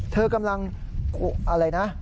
เธอกำลังอะไรนะ